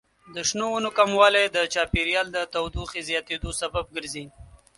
د شنو ونو کموالی د چاپیریال د تودوخې زیاتیدو سبب ګرځي.